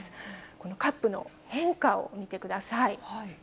このカップの変化を見てください。